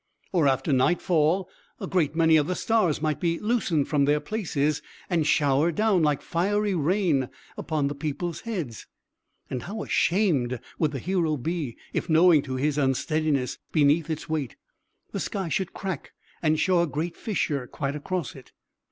Or, after nightfall, a great many of the stars might be loosened from their places, and shower down, like fiery rain, upon the people's heads! And how ashamed would the hero be if, owing to his unsteadiness beneath its weight, the sky should crack and show a great fissure quite across it!